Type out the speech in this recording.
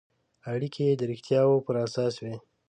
اړیکې یې د رښتیاوو پر اساس وي.